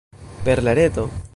Per la reto.